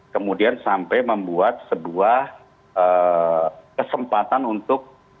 kemudian sampai membuat sebuah kesempatan untuk